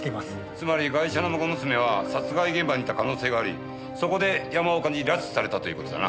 つまりガイシャの孫娘は殺害現場にいた可能性がありそこで山岡に拉致されたという事だな。